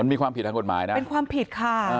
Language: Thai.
มีความผิดทางกฎหมายนะเป็นความผิดค่ะ